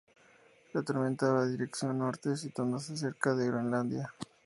La tormenta va dirección norte, situándose cerca de Groenlandia.